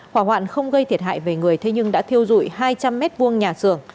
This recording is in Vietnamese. hỏa hoạn không gây thiệt hại về người thế nhưng đã thiêu dụi hai trăm linh m hai nhà xưởng